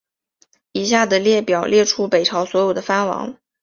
以下的列表列出北朝所有的藩王。